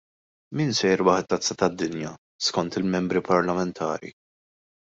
Min se jirbaħ it-Tazza tad-Dinja skont il-Membri Parlamentari?